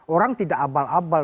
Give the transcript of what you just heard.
orang tidak abal abal